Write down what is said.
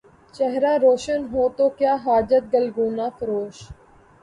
چہرہ روشن ہو تو کیا حاجت گلگونہ فروش